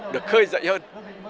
được khơi dậy hơn